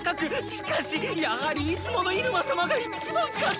しかしやはりいつもの入間様が一番かと！